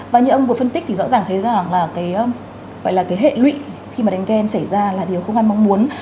và như ông vừa phân tích thì rõ ràng thấy ra rằng là cái hệ lụy khi mà đánh ghen xảy ra là điều không ăn mong muốn